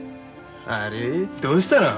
あれどうしたの？